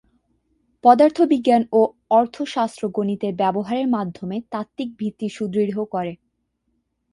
পদার্থবিজ্ঞান ও অর্থশাস্ত্র গণিতের ব্যবহারের মাধ্যমে তাত্ত্বিক ভিত্তি সুদৃঢ় করে।